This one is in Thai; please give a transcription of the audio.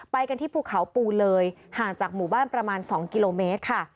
ไปกันที่ภูเขาปูเลยห่างจากหมู่บ้านประมาณ๒กิโลเมตรค่ะ